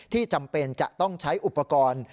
จำเป็นจะต้องใช้อุปกรณ์